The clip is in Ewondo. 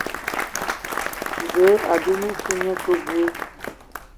Zǝǝ a dugan fǝg nye kǝ bwe.